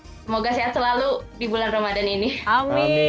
semoga sehat selalu di bulan ramadan ini